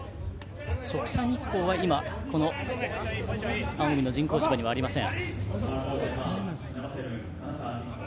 直射日光は今、この青海の人工芝にはありません。